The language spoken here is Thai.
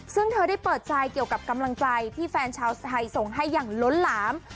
ซึ่งเธอได้เปิดใจเกี่ยวกับกำลังใจที่แฟนชาวไทยส่งให้อย่างล้นหลาม